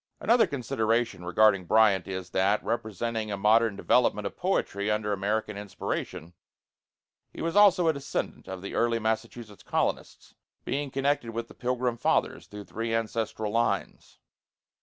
Another consideration regarding Bryant is, that representing a modern development of poetry under American inspiration, he was also a descendant of the early Massachusetts colonists, being connected with the Pilgrim Fathers through three ancestral lines.